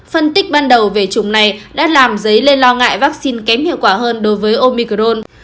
phân tích ban đầu về chủng này đã làm dấy lên lo ngại vaccine kém hiệu quả hơn đối với omicron